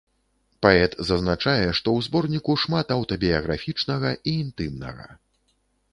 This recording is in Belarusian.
Паэт зазначае, што ў зборніку шмат аўтабіяграфічнага і інтымнага.